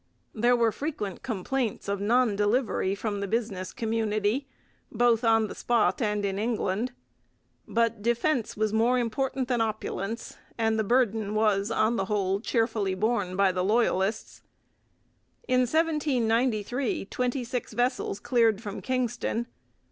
There were frequent complaints of non delivery from the business community, both on the spot and in England. But 'defence was more important than opulence,' and the burden was, on the whole, cheerfully borne by the Loyalists. In 1793 twenty six vessels cleared from Kingston.